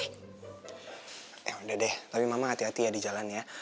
eh udah deh tapi memang hati hati ya di jalan ya